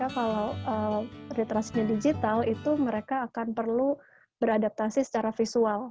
kalau literasinya digital itu mereka akan perlu beradaptasi secara visual